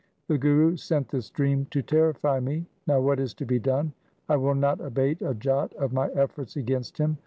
' The Guru sent this dream to terrify me. Now what is to be done ? I will not abate a j ot of my efforts against him.